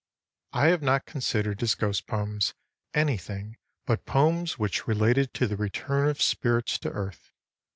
I have not considered as ghost poems anything but poems which related to the return of spirits to earth.